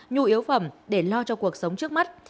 nhu yếu phẩm để lo cho cuộc sống trước mắt